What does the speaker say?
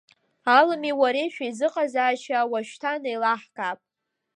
Алыми уареи шәеизыҟазаашьа уашьҭан еилаҳкаап.